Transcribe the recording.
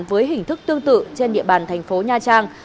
với hình thức tương tự trên địa bàn thành phố nha trang